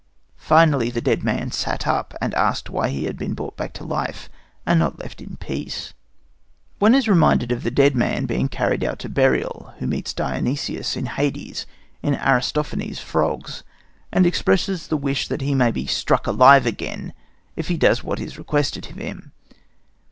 Finally the dead man sat up and asked why he had been brought back to life and not left in peace." One is reminded of the dead man being carried out to burial who meets Dionysus in Hades, in Aristophanes' Frogs, and expresses the wish that he may be struck alive again if he does what is requested of him.